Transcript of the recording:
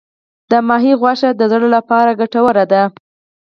د کب غوښه د زړه لپاره ګټوره ده.